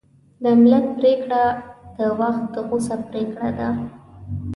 د ملت پرېکړه د وخت غوڅه پرېکړه ده.